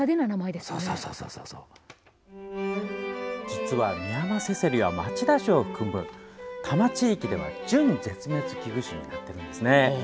実はミヤマセセリは町田市を含む多摩地域では準絶滅危惧種になっているんですね。